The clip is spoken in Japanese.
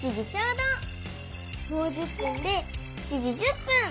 もう１０分で７時１０分。